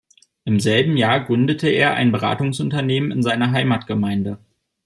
Im selben Jahr gründete er ein Beratungsunternehmen in seiner Heimatgemeinde.